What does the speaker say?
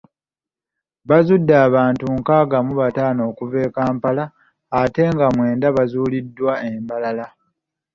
Bazudde abantu nkaaga mu bataano okuva mu Kampala, ate nga mwenda baazuuliddwa e Mbarara.